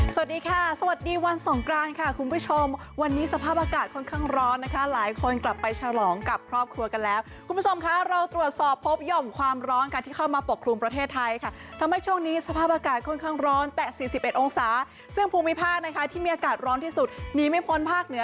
สวัสดีค่ะสวัสดีวันสงกรานค่ะคุณผู้ชมวันนี้สภาพอากาศค่อนข้างร้อนนะคะหลายคนกลับไปฉลองกับครอบครัวกันแล้วคุณผู้ชมค่ะเราตรวจสอบพบหย่อมความร้อนค่ะที่เข้ามาปกครุมประเทศไทยค่ะทำให้ช่วงนี้สภาพอากาศค่อนข้างร้อนแต่สี่สิบเอ็ดองศาซึ่งภูมิภาคนะคะที่มีอากาศร้อนที่สุดหนีไม่พ้นภาคเหนือ